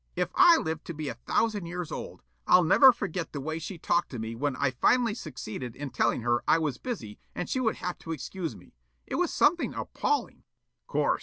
"If I live to be a thousand years old, I'll never forget the way she talked to me when I finally succeeded in telling her I was busy and she would have to excuse me. It was something appalling." "Course.